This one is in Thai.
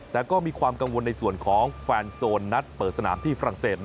แต่ก็มีความกังวลในส่วนของแฟนโซนนัดเปิดสนามที่ฝรั่งเศส